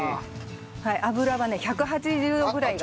油がね１８０度ぐらいが。